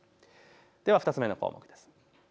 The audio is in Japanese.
では２つ目の項目です。